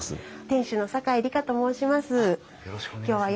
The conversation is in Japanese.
店主の酒井里香と申します。